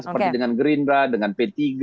seperti dengan gerindra dengan p tiga